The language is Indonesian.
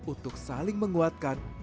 untuk saling menguatkan